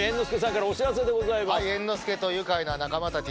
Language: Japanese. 『猿之助と愉快な仲間たち』